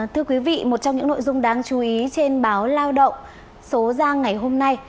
thưa quý vị một trong những nội dung đáng chú ý trên báo lao động số ra ngày hôm nay